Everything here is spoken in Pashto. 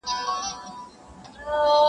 نه د چا د میني نه د زلفو بندیوان یمه -